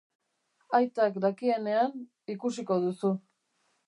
Aitak dakienean, ikusiko duzu.